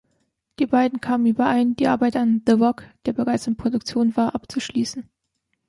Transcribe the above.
Die beiden kamen überein, die Arbeit an „The Rock“, der bereits in Produktion war, abzuschließen.